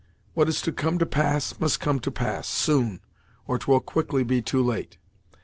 What is to come to pass, must come to pass soon, or 'twill quickly be too late.